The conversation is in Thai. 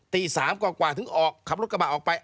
ตี๓กว่าถึงออกขับรถกระบะออกไป